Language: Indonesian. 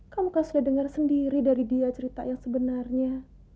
kamu kan sudah dengar sendiri dari dia cerita yang sebenarnya